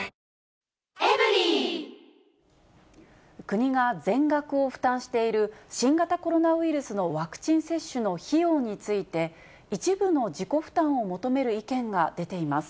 国が全額を負担している新型コロナウイルスのワクチン接種の費用について、一部の自己負担を求める意見が出ています。